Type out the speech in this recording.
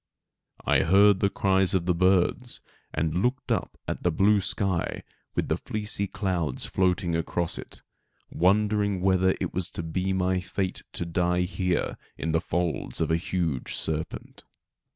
I heard the cries of the birds, and looked up at the blue sky with the fleecy clouds floating across it, wondering whether it was to be my fate to die here in the folds of a huge serpent.